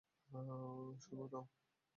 শোন, রাও।